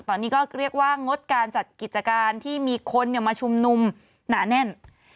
ตอนนี้ก็เรียกว่างดการจัดกิจการที่มีคนมาชุมนุมหนาแน่น